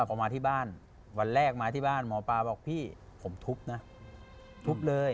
พอมาที่บ้านวันแรกมาที่บ้านหมอปลาบอกพี่ผมทุบนะทุบเลย